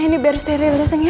ini beri steril ya sayang ya